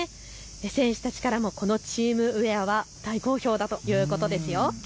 選手たちからもこのチームウエアは大好評だということですよ。